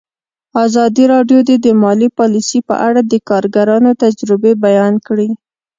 ازادي راډیو د مالي پالیسي په اړه د کارګرانو تجربې بیان کړي.